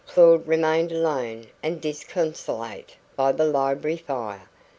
Claud remained alone and disconsolate by the library fire.